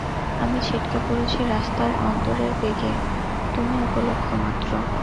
আমি ছিটকে পড়েছি রাস্তায় অন্তরের বেগে, তুমি উপলক্ষ্যমাত্র।